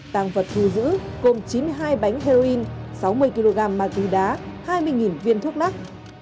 tăng vật thu giữ gồm chín mươi hai bánh heroin sáu mươi kg ma túy đá hai mươi viên thuốc lắc